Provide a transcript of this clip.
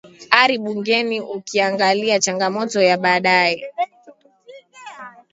ari bungeni ukiangalia changamoto ya baadaye